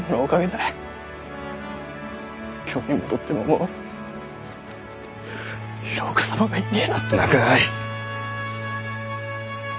京に戻ってももう平岡様がいねぇなんて。泣くない。